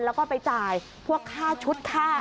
แล้วก็ไปจ่ายพวกค่าชุดค่า